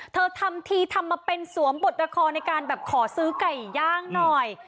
ทำทีทำมาเป็นสวมบทละครในการแบบขอซื้อไก่ย่างหน่อย